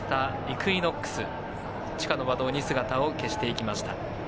イクイノックス地下の馬道に姿を消していきました。